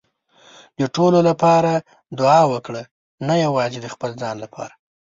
د ټولو لپاره دعا وکړه، نه یوازې د خپل ځان لپاره.